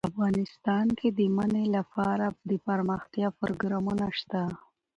افغانستان کې د منی لپاره دپرمختیا پروګرامونه شته.